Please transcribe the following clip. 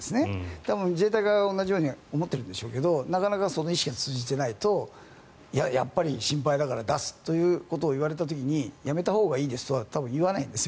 多分自衛隊も同じように思っているんでしょうけどなかなかその意識が通じていないとやっぱり心配だから出すと言われた時にやめたほうがいいですとは多分、言わないんです。